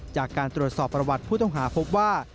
จากการตรวจสอบประวัติผู้ต้องหาพบว่า